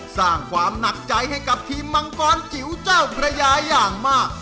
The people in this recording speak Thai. สร้างความหนักใจให้กับทีมมังกรจิ๋วเจ้าพระยาอย่างมาก